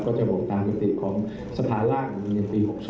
ก็จะโหวตตามธรรมตลอดรกษ์ของสภาล่างในปี๖๔๒